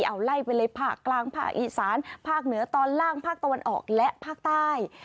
เอาไล่ไปเลยภาคกลางภาคอีสานภาคเหนือตอนล่างภาคตะวันออกและภาคใต้